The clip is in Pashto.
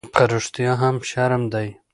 _په رښتيا هم، شرم دی؟